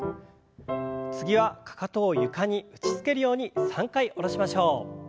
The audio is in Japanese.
次はかかとを床に打ちつけるように３回下ろしましょう。